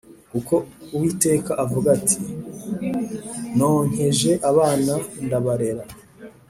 kuko Uwiteka avuga ati “Nonkeje abana ndabarera